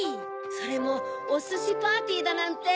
それもおすしパーティーだなんて。